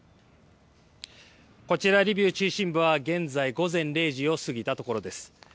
こちら、リビウ中心部は現在、午前０時を過ぎたところです。